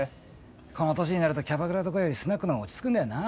この年になるとキャバクラとかよりスナックの方が落ち着くんだよな。